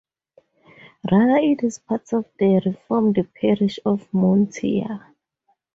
Rather it is part of the Reformed parish of Moutier.